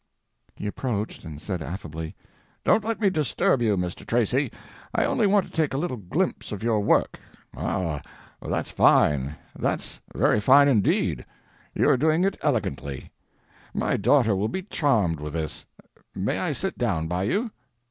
He approached and said affably: "Don't let me disturb you, Mr. Tracy; I only want to take a little glimpse of your work. Ah, that's fine—that's very fine indeed. You are doing it elegantly. My daughter will be charmed with this. May I sit down by you?"